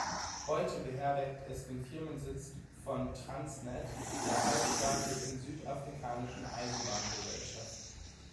Heute beherbergt es den Firmensitz von Transnet, der halbstaatlichen südafrikanischen Eisenbahngesellschaft.